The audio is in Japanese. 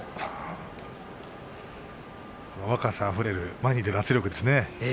若さあふれる前に出る圧力ですね。